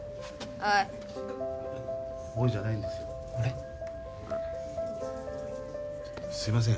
ああすいません